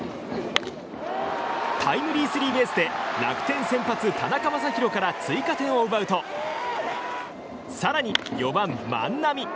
タイムリースリーベースで楽天先発、田中将大から追加点を奪うと更に４番、万波。